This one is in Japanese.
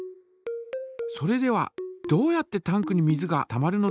それではどうやってタンクに水がたまるのでしょうか。